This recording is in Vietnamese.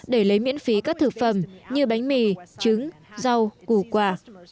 để lấy miễn phí các thực phẩm như bánh mì trứng rau củ quả